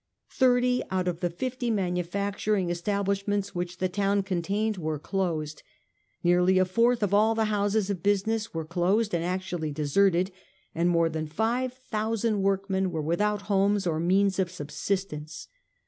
Thirty out of the fifty manufacturing estab lishments which the town contained were closed; nearly a fourth of all* the houses of business were closed and actually deserted; and more than five thousand workmen were without homes or means of subsistence.